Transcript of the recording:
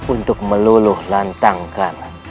untuk meluluh lantangkan